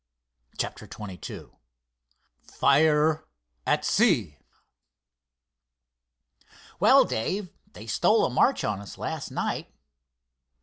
CHAPTER XXII FIRE AT SEA "Well, Dave, they stole a march on us last night."